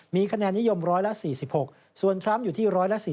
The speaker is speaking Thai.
มีคะแนนนิยม๑๔๖ส่วนทรัมป์อยู่ที่๑๔๐